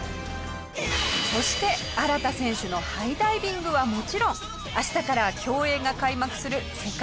そして荒田選手のハイダイビングはもちろん明日から競泳が開幕する世界水泳福岡。